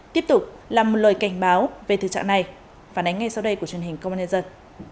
tiếp tục là một lời cảnh báo về thực trạng này phản ánh ngay sau đây của truyền hình công an nhân dân